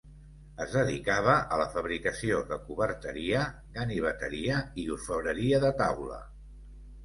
Es dedicava a la fabricació de coberteria, ganiveteria i orfebreria de taula.